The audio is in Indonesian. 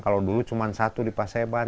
kalau dulu cuma satu di paseban